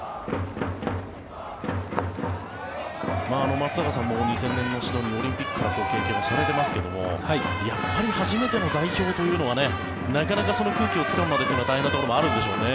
松坂さんも２０００年のシドニーオリンピックも経験されていますがやっぱり初めての代表というのはなかなか空気をつかむまで大変なところもあるんでしょうね。